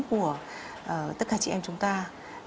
của tất cả chị em chúng tôi